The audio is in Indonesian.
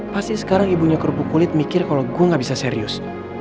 pasti sekarang ibunya kerupuk kulit mikir kalau gue gak bisa serius